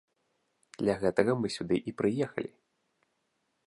Для гэтага мы сюды і прыехалі.